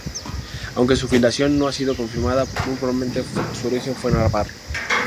Aunque su filiación no ha sido confirmada, muy probablemente su origen fue navarro.